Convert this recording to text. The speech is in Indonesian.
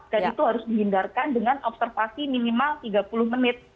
itu harus dihindarkan dengan observasi minimal tiga puluh menit